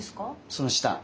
その下。